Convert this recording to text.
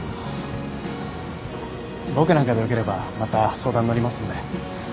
僕なんかでよければまた相談乗りますんで。